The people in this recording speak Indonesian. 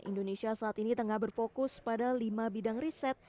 indonesia saat ini tengah berfokus pada lima bidang riset